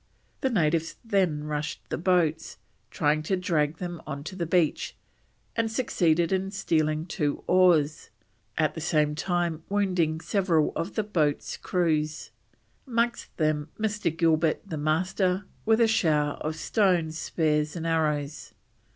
The natives then rushed the boats, trying to drag them onto the beach, and succeeded in stealing two oars, at the same time wounding several of the boats' crews, amongst them Mr. Gilbert, the Master, with a shower of stones, spears, and arrows.